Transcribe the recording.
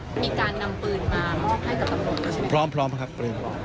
มีการนำปืนมามอบให้กับคำลังลงตัวใช่ไหมครับ